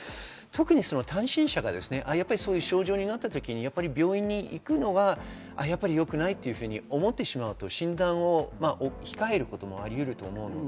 特に単身者がそういう症状になった時に病院に行くのが良くないと思ってしまうと、診断を控えることもあります。